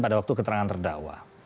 pada waktu keterangan terdakwa